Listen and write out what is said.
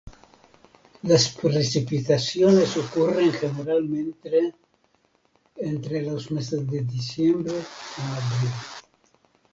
Las precipitaciones ocurren generalmente entre los meses de diciembre a abril.